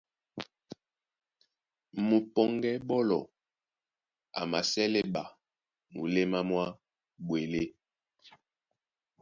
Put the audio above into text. Mupɔŋgɛ́ ɓɔ́lɔ a masɛ́lɛ́ ɓa muléma mwá ɓwelé.